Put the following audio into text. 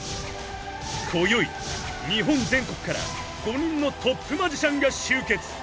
［こよい日本全国から５人のトップマジシャンが集結］